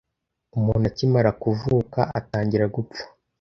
Umuntu akimara kuvuka atangira gupfa.